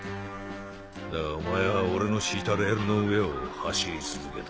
だがお前は俺の敷いたレールの上を走り続けた。